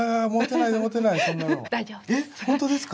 えっ本当ですか？